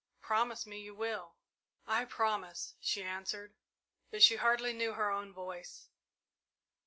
Promise me you will!" "I promise," she answered, but she hardly knew her own voice.